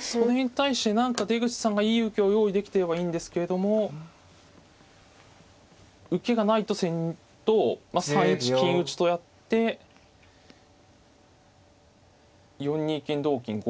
それに対して何か出口さんがいい受けを用意できてればいいんですけれども受けがないと３一金打とやって４二金同金５二金と。